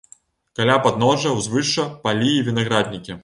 Каля падножжа ўзвышша палі і вінаграднікі.